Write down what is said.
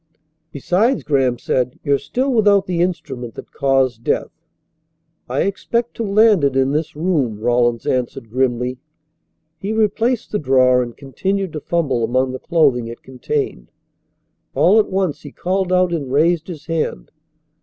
"Besides," Graham said, "you're still without the instrument that caused death." "I expect to land it in this room," Rawlins answered grimly. He replaced the drawer and continued to fumble among the clothing it contained. All at once he called out and raised his hand.